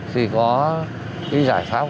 thì có cái giải pháp